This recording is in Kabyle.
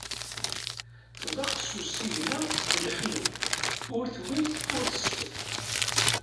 Tḍaq s usigna d leḥmu, ur twit ur teṣfi.